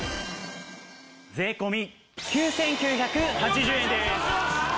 税込９９８０円です。